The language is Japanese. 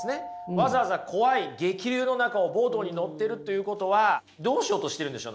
わざわざ怖い激流の中をボートに乗ってるということはどうしようとしてるんでしょう？